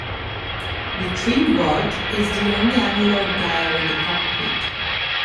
The trim gauge is the only analogue dial in the cockpit.